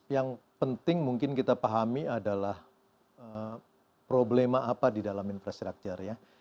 yang penting mungkin kita pahami adalah problema apa di dalam infrastructure ya